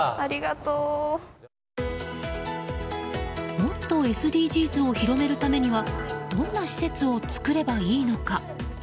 もっとＳＤＧｓを広めるためにはどんな施設を作ればいいのか。